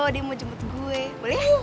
dia mau jemput gue boleh